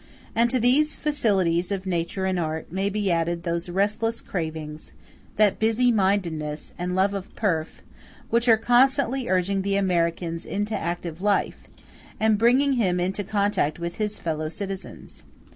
*u And to these facilities of nature and art may be added those restless cravings, that busy mindedness, and love of pelf, which are constantly urging the American into active life, and bringing him into contact with his fellow citizens.